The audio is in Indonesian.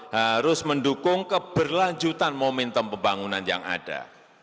harus mendukung keberlanjutan momentum pembangunan yang ada